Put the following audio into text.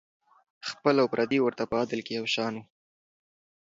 خپل او پردي ورته په عدل کې یو شان وو.